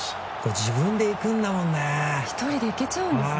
自分で行くんだもんね。